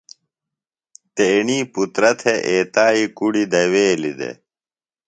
تیݨی پُترہ تھےۡ ایتائیۡ کُڑیۡ دویلیۡ دےۡ